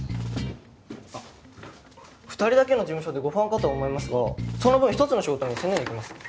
あっ２人だけの事務所でご不安かとは思いますがその分一つの仕事に専念できます。